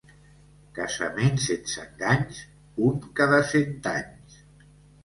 Casament sense enganys, un cada cent anys.